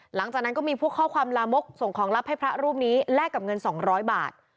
หลังจากนั้นก็มีพวกข้อความลามกส่งของลับให้พระรูปนี้แลกกับเงิน๒๐๐บาท